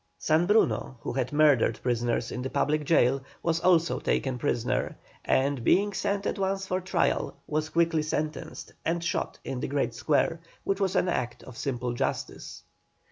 San Bruno, who had murdered prisoners in the public jail, was also taken prisoner, and, being sent at once for trial, was quickly sentenced, and shot in the great square, which was an act of simple justice.